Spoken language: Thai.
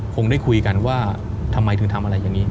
คงได้คุยกันว่าทำไมถึงทำอะไรอย่างนี้